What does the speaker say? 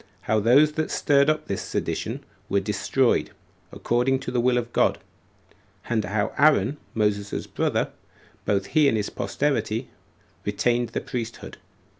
How Those That Stirred Up This Sedition Were Destroyed, According To The Will Of God; And How Aaron, Moses's Brother Both He And His Posterity, Retained The Priesthood.